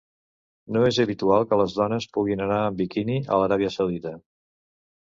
No és habitual que les dones puguin anar amb biquini a l'Aràbia Saudita